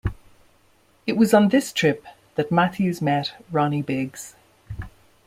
It was on this trip that Matthews met Ronnie Biggs.